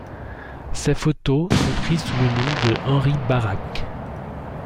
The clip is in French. Ses photos sont prises sous le nom de Henry Barrack.